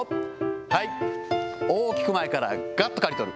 はい、大きく前からがっと刈り取る。